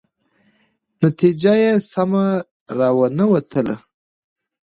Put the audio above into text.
نتیجه یې سمه را ونه وتله.